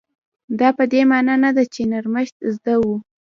دا په دې مانا نه ده چې نرمښت زده و.